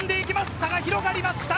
差が広がりました！